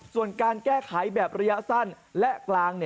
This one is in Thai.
ส่วนการแก้ไขแบบระยะสั้นและกลาง